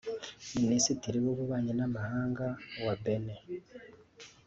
Minisitiri w’ububanyi n’amahanga wa Benin